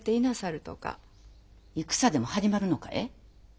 戦でも始まるのかえ？